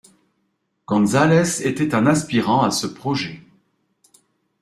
Gonzalez était un aspirant à ce projet.